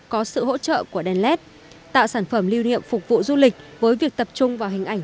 có sự hỗ trợ của đèn led tạo sản phẩm lưu niệm phục vụ du lịch với việc tập trung vào hình ảnh